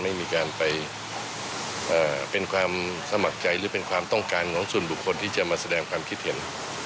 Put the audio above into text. ไม่มีการไปเป็นความสมัครใจหรือเป็นความต้องการของส่วนบุคคลที่จะมาแสดงความคิดเห็น